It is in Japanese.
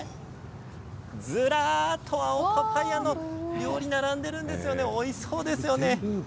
ずらっと青パパイアの料理並んでいるんですよねおいしそうですよね。